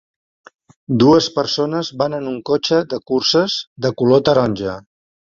Dues persones van en un cotxe de curses de color taronja.